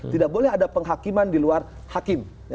tidak boleh ada penghakiman di luar hakim